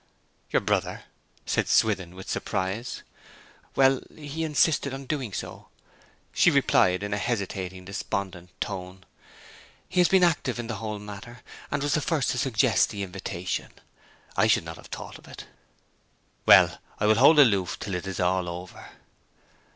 'Your brother?' said Swithin, with surprise. 'Well, he insisted on doing so,' she replied, in a hesitating, despondent tone. 'He has been active in the whole matter, and was the first to suggest the invitation. I should not have thought of it.' 'Well, I will hold aloof till it is all over.'